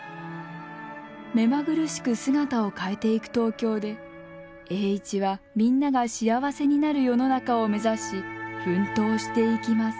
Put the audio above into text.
目まぐるしく姿を変えていく東京で栄一はみんなが幸せになる世の中を目指し奮闘していきます。